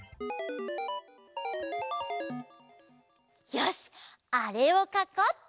よしあれをかこうっと！